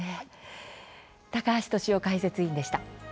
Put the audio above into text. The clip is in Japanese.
高橋俊雄解説委員でした。